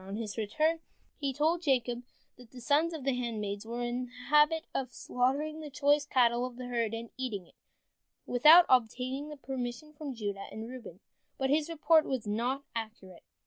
On his return he told Jacob that the sons of the handmaids were in the habit of slaughtering the choice cattle of the herd and eating it, without obtaining permission from Judah and Reuben. But his report was not accurate.